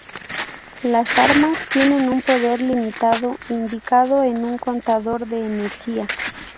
Las armas tienen un poder limitado indicado en un contador de energía.